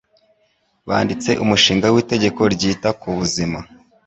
Banditse umushinga w'itegeko ryita ku buzima.